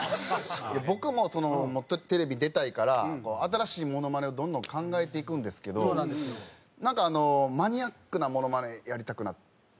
僕ももっとテレビ出たいから新しいモノマネをどんどん考えていくんですけどなんかマニアックなモノマネやりたくなっちゃったりとか。